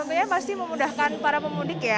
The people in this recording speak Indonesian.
sebenarnya pasti memudahkan para pemudik ya